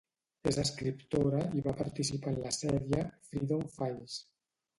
És escriptora i va participar en la sèrie "Freedom Files".